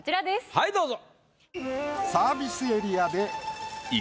はいどうぞ。